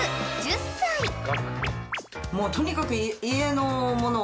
もうとにかく。